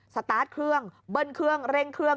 สตาร์ทเครื่องเบิ้ลเครื่องเร่งเครื่อง